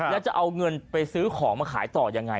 แล้วจะเอาเงินไปซื้อของมาขายต่อยังไง